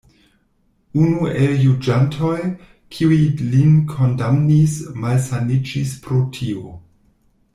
Unu el juĝantoj, kiuj lin kondamnis, malsaniĝis pro tio.